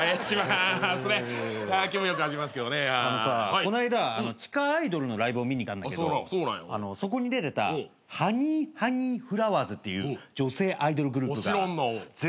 この間地下アイドルのライブを見に行ったんだけどそこに出てたハニーハニーフラワーズっていう女性アイドルグループが絶対売れると思った。